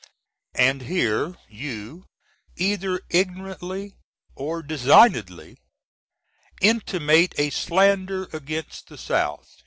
And here you either ignorantly or designedly intimate a slander against the South.